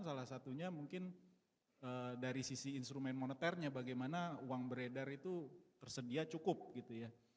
salah satunya mungkin dari sisi instrumen moneternya bagaimana uang beredar itu tersedia cukup gitu ya